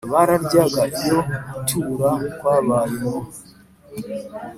Bararyaga iyo gutura kwabaye mu